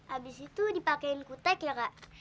abis itu dipakaiin kutek ya kak